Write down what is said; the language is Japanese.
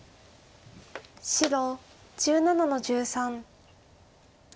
白１７の十三。